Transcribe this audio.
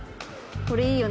「これ、いいよね。